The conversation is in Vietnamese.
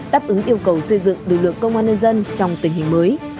đáp ứng yêu cầu xây dựng lực lượng công an nhân dân trong tình hình mới